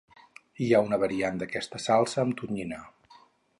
Hi ha una variant d'aquesta salsa amb tonyina.